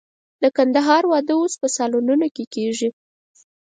د کندهار واده اوس په سالونونو کې کېږي.